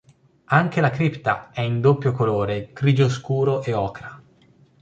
Anche la cripta è in doppio colore grigio scuro e ocra.